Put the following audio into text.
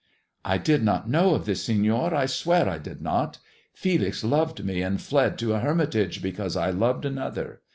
''" I did not know of this, Senor ; I swear I did not Felix loved me, and fled to a hermitage because I loved another.